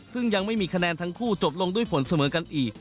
ซึ่งยังไม่มีคะแนนทั้งคู่จบลงด้วยผลเสมอกันอีก